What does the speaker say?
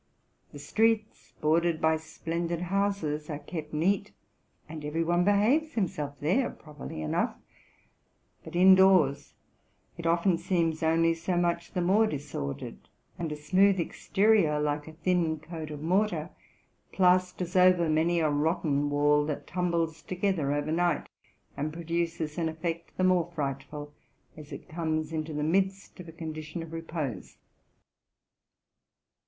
The streets, bordered by splendid houses, are kept neat; and every one behaves himself there properly enough: but, indoors, it often seems only so much the more disordered ; and a smooth exterior, like a thin coat of mortar, plasters over many a rotten wall that tumbles together overnight, and produces an effect the more frightful, as it comes into the midst of a condition of repose.